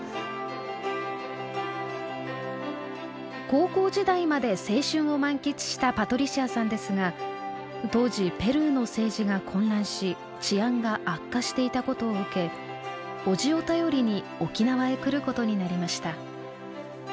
高校時代まで青春を満喫したパトリシアさんですが当時ペルーの政治が混乱し治安が悪化していたことを受け叔父を頼りに沖縄へ来ることになりました。